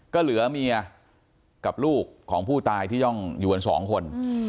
ก็เหลือเมียกับลูกของผู้ตายที่ต้องอยู่กันสองคน